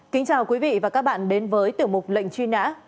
kính chào quý vị và các bạn đến với tiểu mục lệnh truy nã